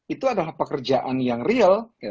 itu adalah pekerjaan yang real